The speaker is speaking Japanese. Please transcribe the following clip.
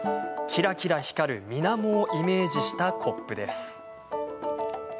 キラキラ光る水面をイメージしたコップです。